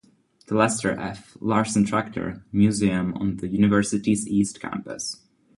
The Lester F. Larsen Tractor Museum is on the university's East Campus.